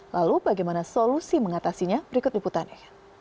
lalu bagaimana solusi mengatasinya berikut liputannya